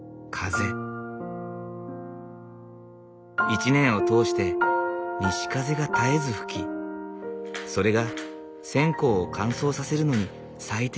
一年を通して西風が絶えず吹きそれが線香を乾燥させるのに最適なのだという。